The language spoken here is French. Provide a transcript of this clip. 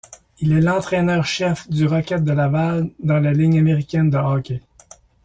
Il est l'entraîneur-chef du Rocket de Laval dans la Ligue américaine de hockey.